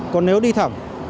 còn nếu đi thẳm